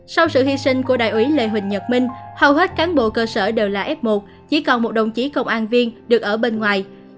sau sự hy sinh của đại ủy lê huỳnh nhật minh hầu hết cán bộ cơ sở đều là f một chỉ còn một đồng chí công an viên được ở bên ngoài